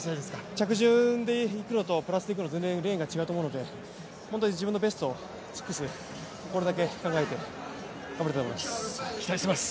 着順でいくのとプラスでいくのと全然レーンが違うと思うので本当に自分のベストを尽くすことだけ考えて頑張りたいと思います。